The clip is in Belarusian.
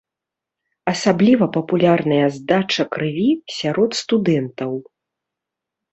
Асабліва папулярная здача крыві сярод студэнтаў.